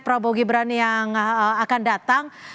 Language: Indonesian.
prabowo gibran yang akan datang